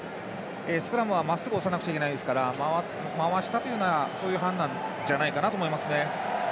スクラムは、まっすぐ押さなくちゃいけませんから回したという判断じゃないかなと思います。